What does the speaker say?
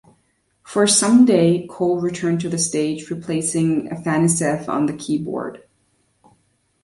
For "Someday", Cole returned to the stage, replacing Afanasieff on the keyboard.